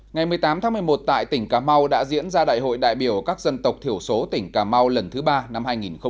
ngày một mươi tám tháng một mươi một tại tỉnh cà mau đã diễn ra đại hội đại biểu các dân tộc thiểu số tỉnh cà mau lần thứ ba năm hai nghìn một mươi chín